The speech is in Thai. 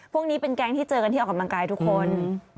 พวกนี้เป็นแก๊งที่เจอกันที่ออกกำลังกายทุกคน